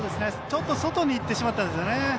ちょっと外に行ってしまったんですね。